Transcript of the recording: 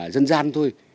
dân gian thôi